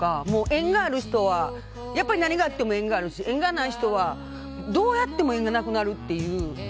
縁がある人はやっぱり何があっても縁があるし縁がない人はどうやっても縁がなくなるという。